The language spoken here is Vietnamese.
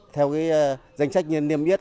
theo cái danh sách niêm biết